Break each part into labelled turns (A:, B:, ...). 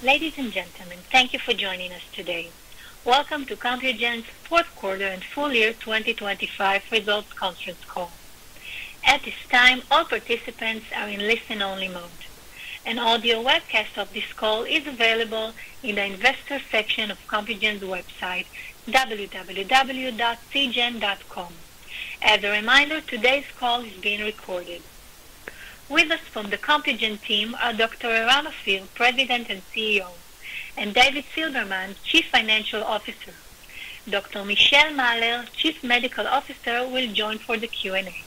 A: Ladies and gentlemen, thank you for joining us today. Welcome to Compugen's fourth quarter and full year 2025 results conference call. At this time, all participants are in listen-only mode. An audio webcast of this call is available in the investor section of Compugen's website, www.cgen.com. As a reminder, today's call is being recorded. With us from the Compugen team are Dr. Eran Ophir, President and CEO, and David Silberman, Chief Financial Officer. Dr. Michelle Mahler, Chief Medical Officer, will join for the Q&A.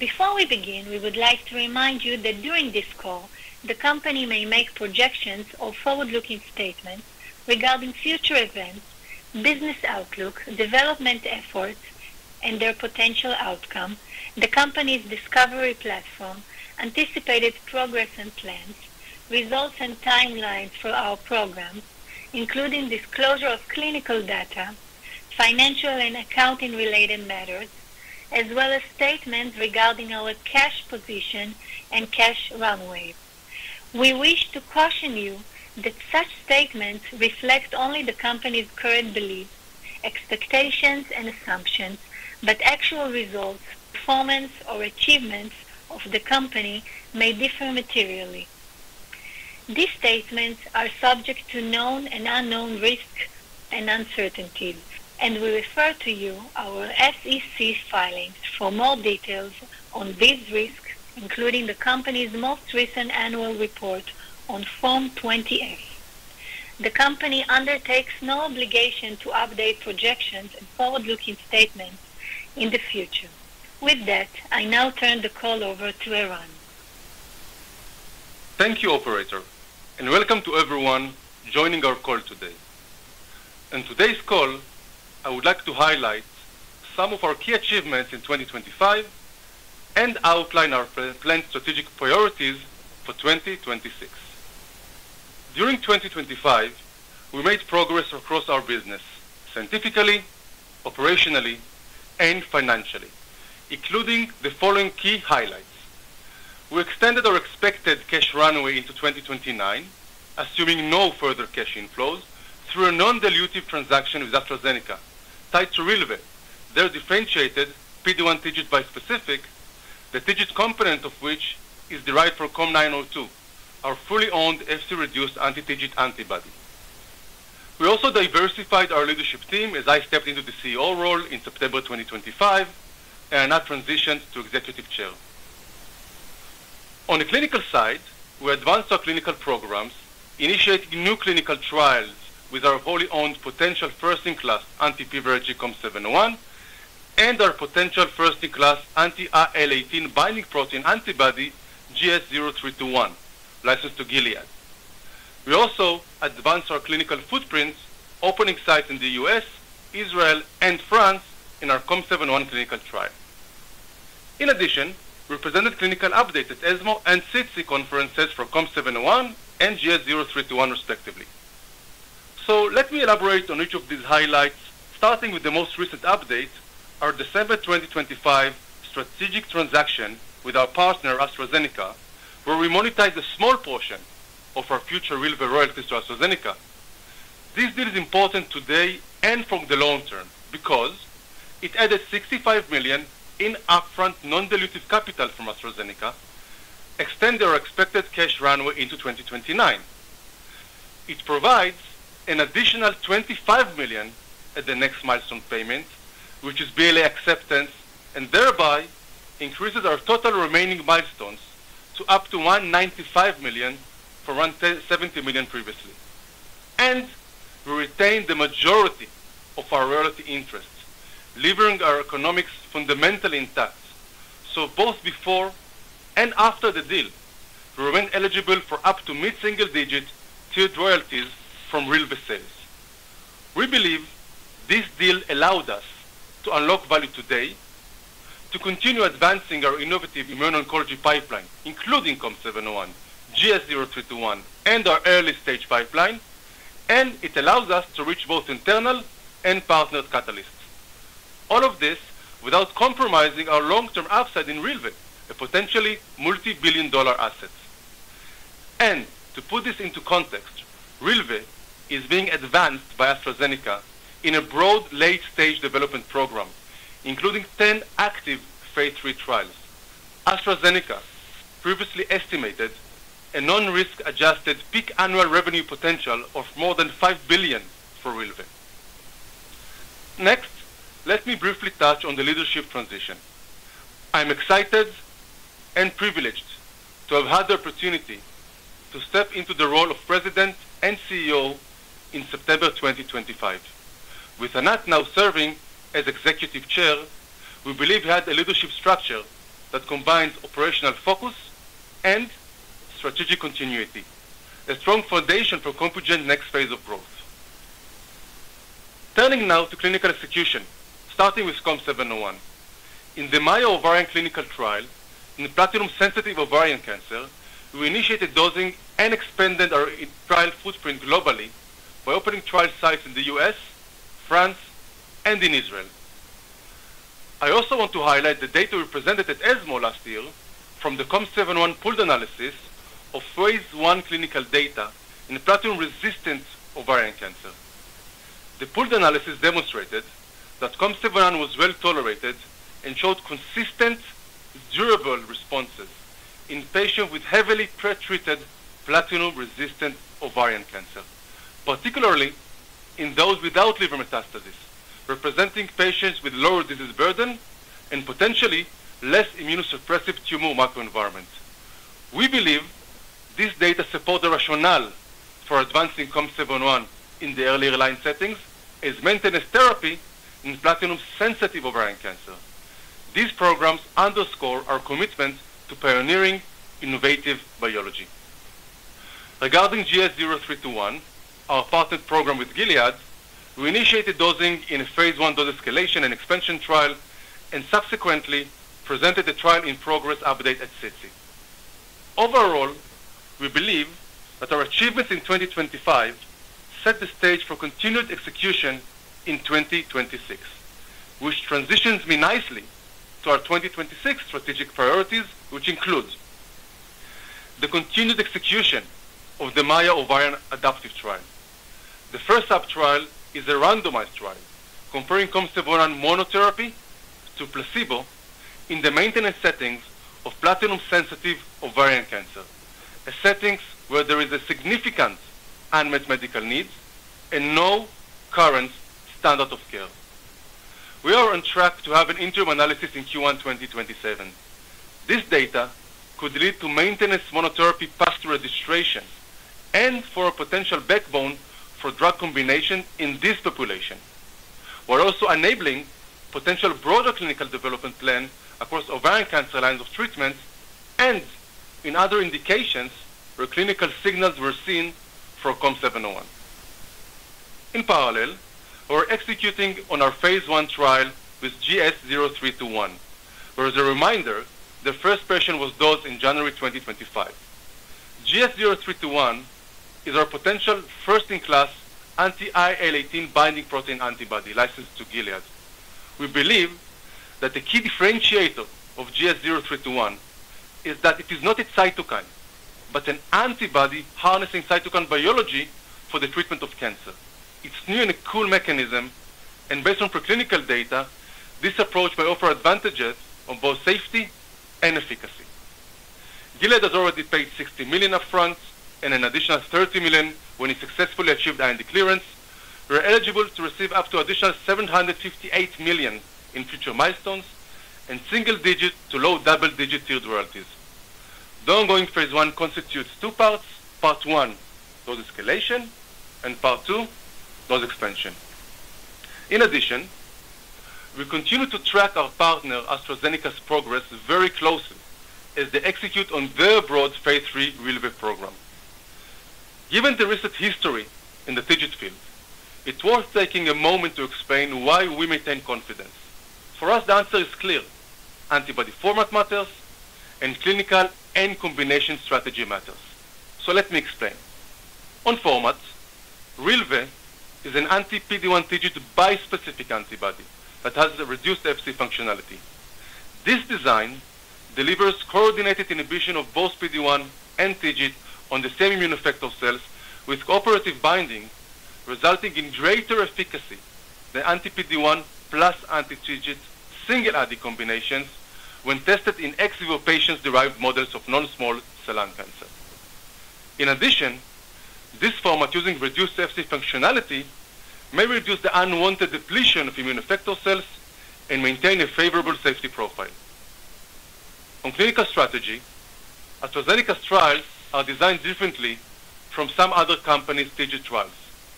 A: Before we begin, we would like to remind you that during this call, the company may make projections or forward-looking statements regarding future events, business outlook, development efforts and their potential outcome, the company's discovery platform, anticipated progress and plans, results and timelines for our programs, including disclosure of clinical data, financial and accounting related matters, as well as statements regarding our cash position and cash runway. We wish to caution you that such statements reflect only the company's current beliefs, expectations and assumptions. Actual results, performance or achievements of the company may differ materially. These statements are subject to known and unknown risks and uncertainties. We refer to you our SEC filings for more details on these risks, including the company's most recent annual report on Form 20-F. The company undertakes no obligation to update projections and forward-looking statements in the future. With that, I now turn the call over to Eran.
B: Thank you, operator. Welcome to everyone joining our call today. In today's call, I would like to highlight some of our key achievements in 2025 and outline our planned strategic priorities for 2026. During 2025, we made progress across our business scientifically, operationally, and financially, including the following key highlights. We extended our expected cash runway into 2029, assuming no further cash inflows through a non-dilutive transaction with AstraZeneca tied to rilvegostomig, their differentiated PD-1 TIGIT bispecific, the TIGIT component of which is derived from COM-902, our fully owned Fc reduced anti-TIGIT antibody. We also diversified our leadership team as I stepped into the CEO role in September 2025, and Anat transitioned to Executive Chair. On the clinical side, we advanced our clinical programs, initiating new clinical trials with our wholly owned potential first-in-class anti-PVRIG COM-701 and our potential first-in-class anti-IL-18 binding protein antibody GS-0321 licensed to Gilead. We also advanced our clinical footprints, opening sites in the U.S., Israel and France in our COM-701 clinical trial. In addition, we presented clinical updates at ESMO and SITC conferences for COM-701 and GS-0321 respectively. Let me elaborate on each of these highlights, starting with the most recent update, our December 2025 strategic transaction with our partner, AstraZeneca, where we monetized a small portion of our future rilvegostomig royalties to AstraZeneca. This deal is important today and for the long term because it added $65 million in upfront non-dilutive capital from AstraZeneca, extend their expected cash runway into 2029. It provides an additional $25 million at the next milestone payment, which is BLA acceptance, thereby increases our total remaining milestones to up to $195 million from $170 million previously. We retain the majority of our royalty interest, leaving our economics fundamentally intact. Both before and after the deal, we remain eligible for up to mid-single-digit tiered royalties from rilvegostomig sales. We believe this deal allowed us to unlock value today to continue advancing our innovative immune oncology pipeline, including COM-701, GS-0321, and our early-stage pipeline, it allows us to reach both internal and partners catalysts. All of this without compromising our long-term upside in rilvegostomig, a potentially multi-billion-dollar asset. To put this into context, rilvegostomig is being advanced by AstraZeneca in a broad late-stage development program, including 10 active phase III trials. AstraZeneca previously estimated a non-risk adjusted peak annual revenue potential of more than $5 billion for rilvegostomig. Next, let me briefly touch on the leadership transition. I'm excited and privileged to have had the opportunity to step into the role of President and CEO in September 2025. With Anat now serving as Executive Chair, we believe we have a leadership structure that combines operational focus and strategic continuity, a strong foundation for Compugen next phase of growth. Turning now to clinical execution, starting with COM-701. In the MAIA-ovarian clinical trial in platinum-sensitive ovarian cancer, we initiated dosing and expanded our trial footprint globally by opening trial sites in the U.S., France, and in Israel. I also want to highlight the data represented at ESMO last year from the COM-701 pooled analysis of phase I clinical data in platinum-resistant ovarian cancer. The pooled analysis demonstrated that COM-701 was well-tolerated and showed consistent durable responses in patients with heavily pre-treated platinum-resistant ovarian cancer, particularly in those without liver metastasis, representing patients with lower disease burden and potentially less immunosuppressive tumor macroenvironment. We believe this data support the rationale for advancing COM-701 in the earlier line settings as maintenance therapy in platinum-sensitive ovarian cancer. These programs underscore our commitment to pioneering innovative biology. Regarding GS-0321, our partnered program with Gilead, we initiated dosing in a phase I dose escalation and expansion trial and subsequently presented the trial in progress update at SITC. Overall, we believe that our achievements in 2025 set the stage for continued execution in 2026. transitions me nicely to our 2026 strategic priorities, which includes the continued execution of the MAIA-ovarian adaptive trial. The first subtrial is a randomized trial comparing COM-701 monotherapy to placebo in the maintenance settings of platinum-sensitive ovarian cancer, a setting where there is a significant unmet medical needs and no current standard of care. We are on track to have an interim analysis in Q1, 2027. This data could lead to maintenance monotherapy path to registration and for a potential backbone for drug combination in this population. We're also enabling potential broader clinical development plan across ovarian cancer lines of treatments and in other indications where clinical signals were seen for COM-701. In parallel, we're executing on our phase I trial with GS-0321. Where as a reminder, the first patient was dosed in January 2025. GS-0321 is our potential first-in-class anti-IL-18 binding protein antibody licensed to Gilead. We believe that the key differentiator of GS-0321 is that it is not a cytokine, but an antibody harnessing cytokine biology for the treatment of cancer. It's new and a cool mechanism, and based on preclinical data, this approach may offer advantages on both safety and efficacy. Gilead has already paid $60 million upfront and an additional $30 million when it successfully achieved IND clearance. We're eligible to receive up to additional $758 million in future milestones and single-digit to low double-digit tiered royalties. The ongoing phase I constitutes two parts. Part one, dose escalation, and part two, dose expansion. In addition, we continue to track our partner AstraZeneca's progress very closely as they execute on their broad phase III rilvegostomig program. Given the recent history in the TIGIT field, it's worth taking a moment to explain why we maintain confidence. For us, the answer is clear. Antibody format matters and clinical and combination strategy matters. Let me explain. On format, rilvegostomig is an anti-PD-1/TIGIT bispecific antibody that has a reduced Fc functionality. This design delivers coordinated inhibition of both PD-1 and TIGIT on the same immune effector cells with cooperative binding, resulting in greater efficacy than anti-PD-1 plus anti-TIGIT single ADC combinations when tested in ex vivo patients derived models of non-small cell lung cancer. In addition, this format using reduced Fc functionality may reduce the unwanted depletion of immune effector cells and maintain a favorable safety profile. On clinical strategy, AstraZeneca's trials are designed differently from some other companies' TIGIT trials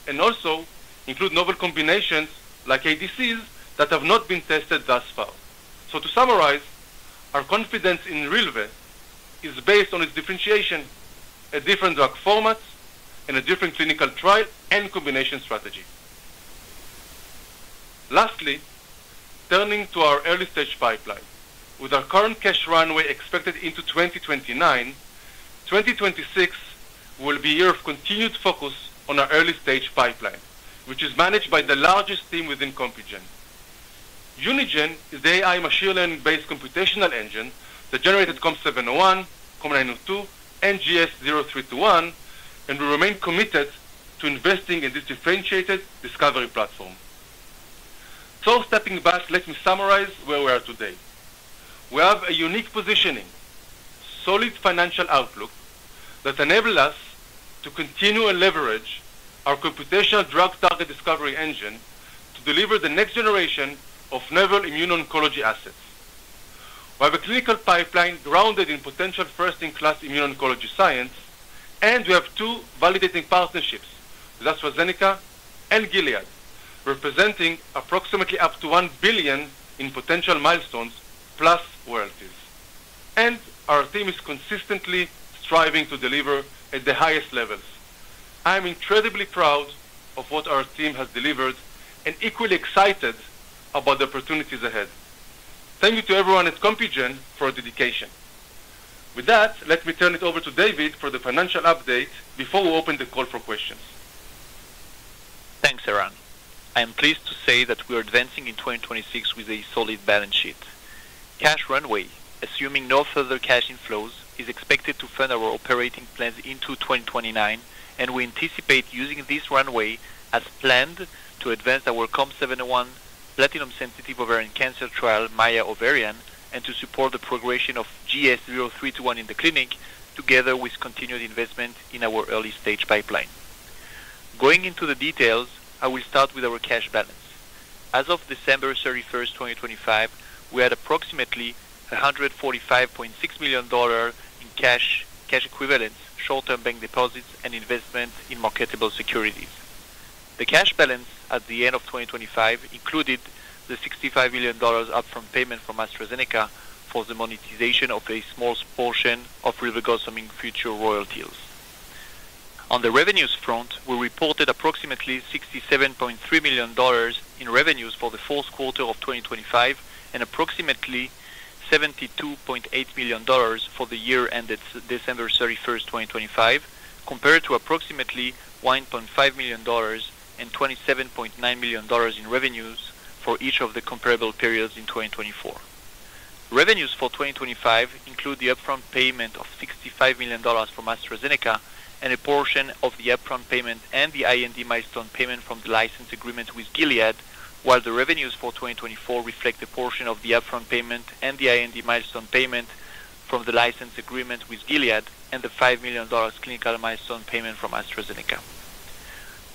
B: and also include novel combinations like ADCs that have not been tested thus far. To summarize, our confidence in rilve is based on its differentiation at different drug formats and a different clinical trial and combination strategy. Lastly, turning to our early-stage pipeline. With our current cash runway expected into 2029, 2026 will be a year of continued focus on our early-stage pipeline, which is managed by the largest team within Compugen. Unigen is the AI machine learning-based computational engine that generated COM-701, COM-902, and GS-0321. We remain committed to investing in this differentiated discovery platform. Stepping back, let me summarize where we are today. We have a unique positioning, solid financial outlook that enable us to continue and leverage our computational drug target discovery engine to deliver the next generation of novel immune oncology assets. We have a clinical pipeline grounded in potential first-in-class immune oncology science. We have two validating partnerships with AstraZeneca and Gilead, representing approximately up to $1 billion in potential milestones plus royalties. Our team is consistently striving to deliver at the highest levels. I am incredibly proud of what our team has delivered and equally excited about the opportunities ahead. Thank you to everyone at Compugen for your dedication. With that, let me turn it over to David for the financial update before we open the call for questions.
C: Thanks, Eran. I am pleased to say that we are advancing in 2026 with a solid balance sheet. Cash runway, assuming no further cash inflows, is expected to fund our operating plans into 2029. We anticipate using this runway as planned to advance our COM-701 platinum-sensitive ovarian cancer trial, MAIA-ovarian, and to support the progression of GS-0321 in the clinic, together with continued investment in our early stage pipeline. Going into the details, I will start with our cash balance. As of December 31st, 2025, we had approximately $145.6 million in cash equivalents, short-term bank deposits and investments in marketable securities. The cash balance at the end of 2025 included the $65 million upfront payment from AstraZeneca for the monetization of a small portion of rilvegostomig future royal deals. On the revenues front, we reported approximately $67.3 million in revenues for the fourth quarter of 2025 and approximately $72.8 million for the year ended December 31st, 2025, compared to approximately $1.5 million and $27.9 million in revenues for each of the comparable periods in 2024. Revenues for 2025 include the upfront payment of $65 million from AstraZeneca and a portion of the upfront payment and the IND milestone payment from the license agreement with Gilead. While the revenues for 2024 reflect the portion of the upfront payment and the IND milestone payment from the license agreement with Gilead and the $5 million clinical milestone payment from AstraZeneca.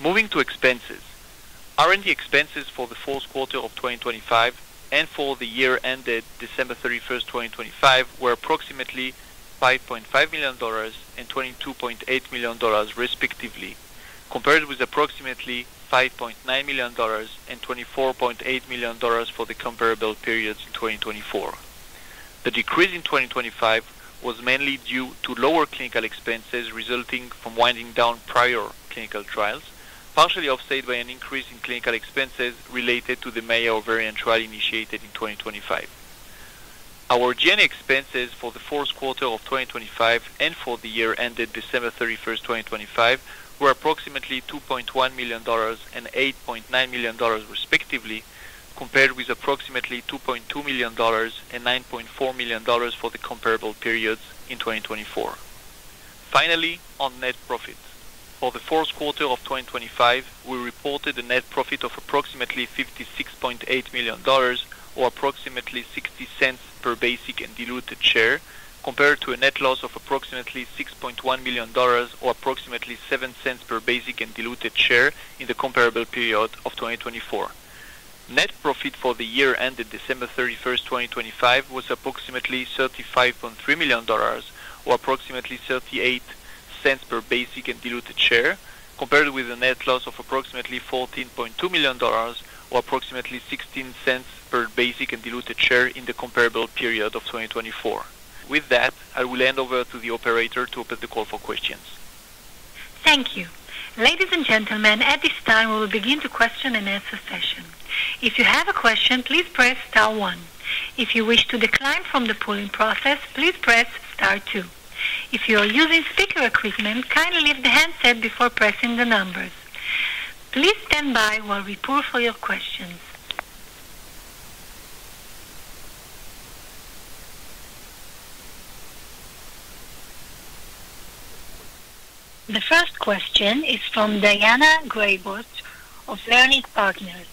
C: Moving to expenses. R&D expenses for the fourth quarter of 2025 and for the year ended December 31, 2025 were approximately $5.5 million and $22.8 million, respectively, compared with approximately $5.9 million and $24.8 million for the comparable periods in 2024. The decrease in 2025 was mainly due to lower clinical expenses resulting from winding down prior clinical trials, partially offset by an increase in clinical expenses related to the MAIA-ovarian trial initiated in 2025. Our GN expenses for the fourth quarter of 2025 and for the year ended December 31, 2025, were approximately $2.1 million and $8.9 million, respectively, compared with approximately $2.2 million and $9.4 million for the comparable periods in 2024. Finally, on net profit. For the fourth quarter of 2025, we reported a net profit of approximately $56.8 million or approximately $0.60 per basic and diluted share, compared to a net loss of approximately $6.1 million or approximately $0.07 per basic and diluted share in the comparable period of 2024. Net profit for the year ended December 31, 2025, was approximately $35.3 million or approximately $0.38 per basic and diluted share, compared with a net loss of approximately $14.2 million or approximately $0.16 per basic and diluted share in the comparable period of 2024. With that, I will hand over to the operator to open the call for questions.
A: Thank you. Ladies and gentlemen, at this time we will begin the question and answer session. If you have a question, please press star one. If you wish to decline from the polling process, please press star two. If you are using speaker equipment, kindly leave the handset before pressing the numbers. Please stand by while we poll for your questions. The first question is from Daina Graybosch of Leerink Partners.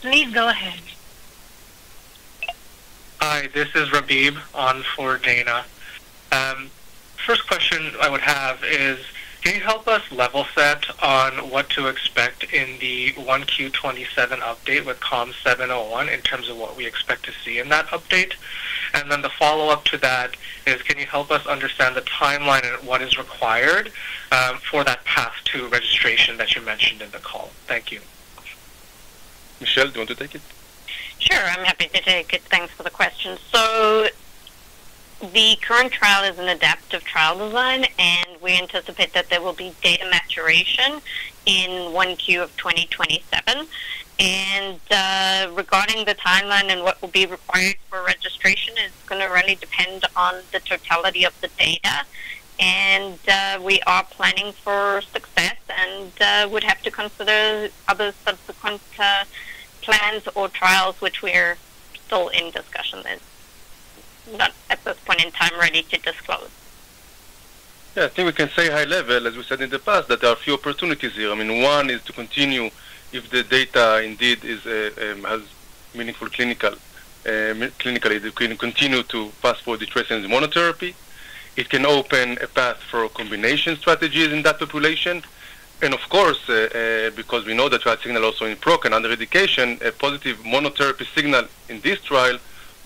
A: Please go ahead.
D: Hi, this is Rabib Chaudhury on for Daina Graybosch. First question I would have is, can you help us level set on what to expect in the 1Q 2027 update with COM-701 in terms of what we expect to see in that update? The follow-up to that is, can you help us understand the timeline and what is required for that path to registration that you mentioned in the call? Thank you.
B: Michelle, do you want to take it?
E: Sure. I'm happy to take it. Thanks for the question. The current trial is an adaptive trial design, we anticipate that there will be data maturation in 1Q of 2027. Regarding the timeline and what will be required for registration, it's gonna really depend on the totality of the data. We are planning for success and would have to consider other subsequent plans or trials which we're still in discussion and not at this point in time ready to disclose.
B: Yeah. I think we can say high level, as we said in the past, that there are a few opportunities here. I mean, one is to continue if the data indeed is, has meaningful clinical, clinically, it can continue to fast forward the monotherapy. It can open a path for combination strategies in that population. Of course, because we know the trial signal also in pro and under education, a positive monotherapy signal in this trial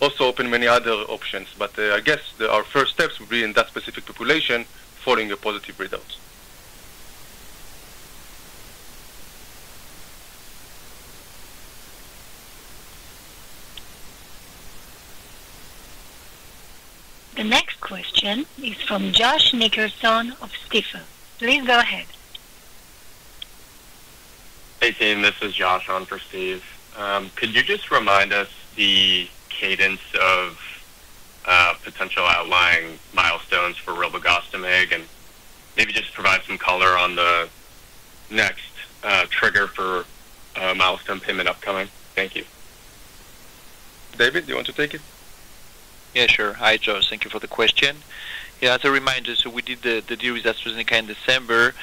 B: also open many other options. I guess the, our first steps will be in that specific population following the positive results.
A: The next question is from Josh Nickerson of Stifel. Please go ahead.
F: Hey, team. This is Josh on for Steve. Could you just remind us the cadence of potential outlying milestones for rilvegostomig, and maybe just provide some color on the next trigger for milestone payment upcoming? Thank you.
B: David, do you want to take it?
C: Sure. Hi, Josh. Thank you for the question. As a reminder, we did the deal with AstraZeneca in December.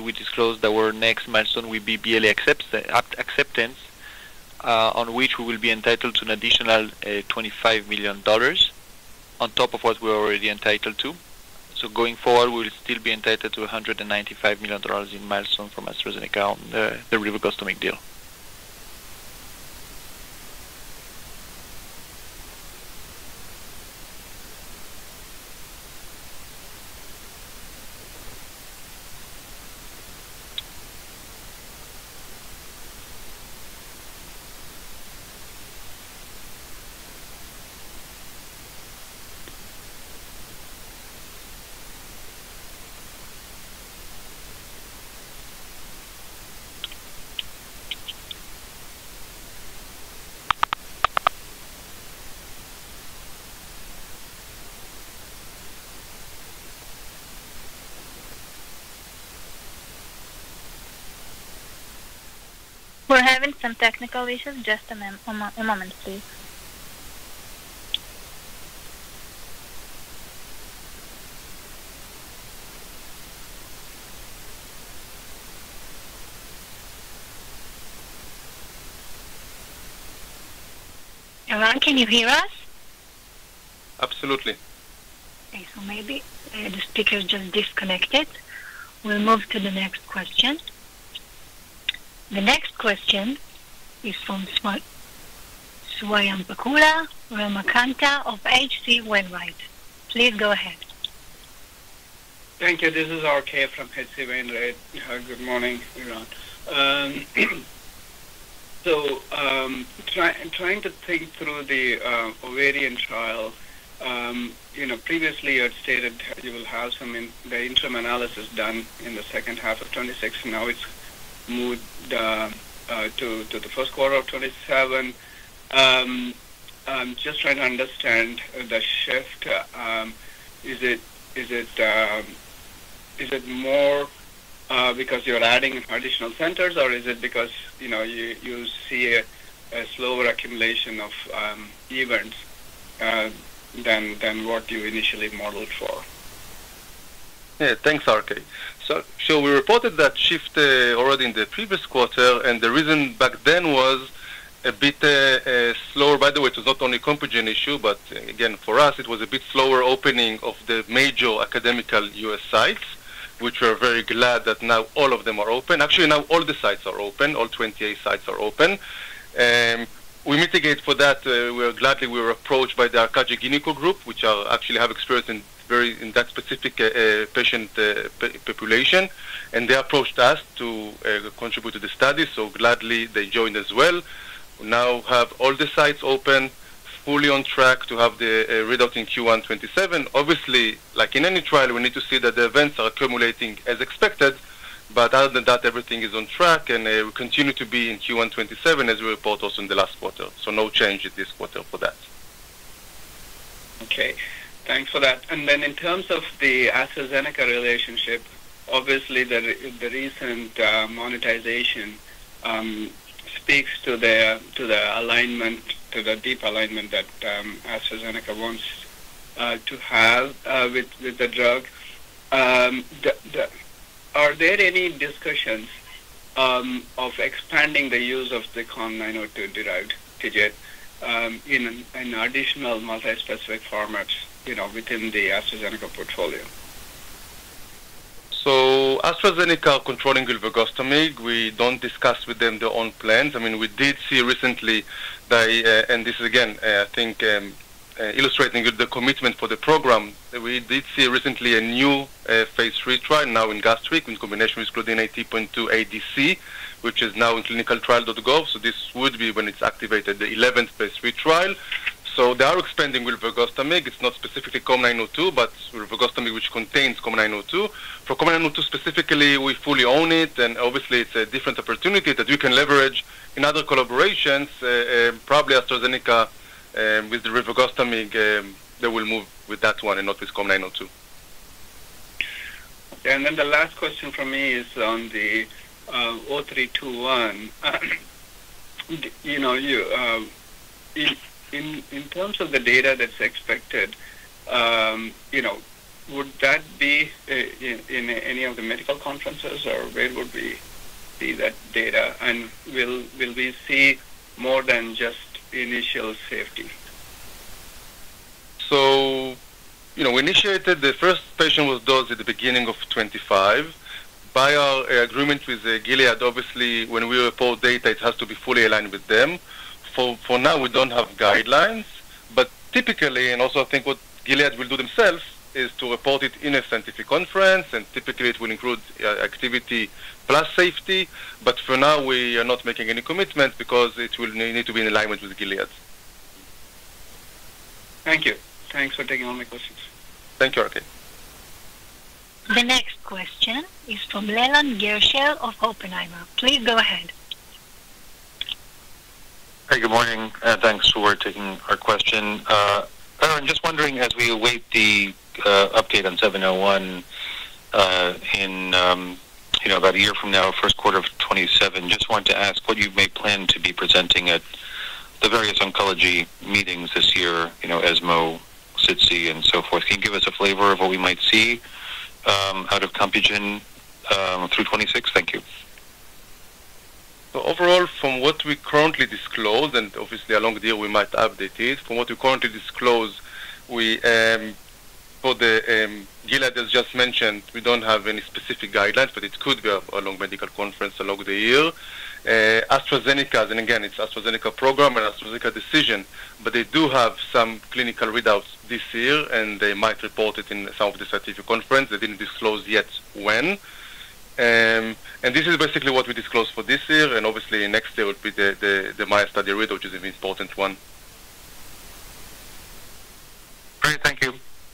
C: We disclosed that our next milestone will be BLA acceptance on which we will be entitled to an additional $25 million on top of what we're already entitled to. Going forward, we'll still be entitled to $195 million in milestone from AstraZeneca on the rilvegostomig deal.
A: We're having some technical issues. Just a moment, please. Eran, can you hear us?
B: Absolutely.
A: Okay. Maybe, the speaker just disconnected. We'll move to the next question. Next question is from Swayampakula Ramakanth of H.C. Wainwright. Please go ahead.
G: Thank you. This is RK from H.C. Wainwright. Good morning, Eran. trying to think through the ovarian trial, you know, previously you had stated you will have some the interim analysis done in the second half of 2026. Now it's moved to the first quarter of 2027. I'm just trying to understand the shift. Is it, is it, is it more because you're adding additional centers, or is it because, you know, you see a slower accumulation of events, than what you initially modeled for?
B: Yeah. Thanks, RK. We reported that shift already in the previous quarter, and the reason back then was a bit slower. By the way, it was not only Compugen issue, but again, for us it was a bit slower opening of the major academic U.S. sites, which we're very glad that now all of them are open. Actually, now all the sites are open. All 28 sites are open. We mitigate for that. We are gladly we were approached by the ARCAGY-GINECO group, which are actually have experience in very, in that specific patient population, and they approached us to contribute to the study, so gladly they joined as well. We now have all the sites open, fully on track to have the readout in Q1 2027. Obviously, like in any trial, we need to see that the events are accumulating as expected. Other than that, everything is on track, and we continue to be in Q1 2027 as we report also in the last quarter. No change in this quarter for that.
G: Okay. Thanks for that. Then in terms of the AstraZeneca relationship, obviously the recent monetization speaks to the alignment, to the deep alignment that AstraZeneca wants to have with the drug. Are there any discussions of expanding the use of the COM-902 derived TIGIT in additional multi-specific formats, you know, within the AstraZeneca portfolio?
B: AstraZeneca are controlling rilvegostomig. We don't discuss with them their own plans. I mean, we did see recently they, and this is again, I think, illustrating the commitment for the program. We did see recently a new phase III trial now in gastric in combination with CLDN AT point 2 ADC, which is now in ClinicalTrials.gov. This would be, when it's activated, the 11th phase III trial. They are expanding rilvegostomig. It's not specifically COM-902, but rilvegostomig, which contains COM-902. For COM-902 specifically, we fully own it, and obviously it's a different opportunity that we can leverage in other collaborations. Probably AstraZeneca, with the rilvegostomig, they will move with that one and not this COM-902.
G: The last question from me is on the GS-0321. You know, you, in terms of the data that's expected, you know, would that be in any of the medical conferences, or where would we see that data? Will we see more than just initial safety?
B: you know. The first patient was dosed at the beginning of 2025. By our agreement with Gilead, obviously when we report data, it has to be fully aligned with them. For now, we don't have guidelines, but typically, and also I think what Gilead will do themselves, is to report it in a scientific conference, and typically it will include activity plus safety. For now we are not making any commitments because it will need to be in alignment with Gilead.
G: Thank you. Thanks for taking all my questions.
B: Thank you, RK.
A: The next question is from Leland Gerschel of Oppenheimer. Please go ahead.
H: Hey, good morning, and thanks for taking our question. Eran, just wondering as we await the update on COM-701 in, you know, about a year from now, first quarter of 2027, just wanted to ask what you may plan to be presenting at the various oncology meetings this year, you know, ESMO, SITC, and so forth. Can you give us a flavor of what we might see out of Compugen through 2026? Thank you.
B: Overall, from what we currently disclose, and obviously along the year we might update it. From what we currently disclose, we, for the, Gilead, as just mentioned, we don't have any specific guidelines, but it could be along medical conference along the year. AstraZeneca's, and again, it's AstraZeneca program and AstraZeneca decision, but they do have some clinical readouts this year, and they might report it in some of the scientific conference. They didn't disclose yet when. This is basically what we disclosed for this year, and obviously next year will be the MAIA-ovarian study readout, which is an important one.
H: Great. Thank you.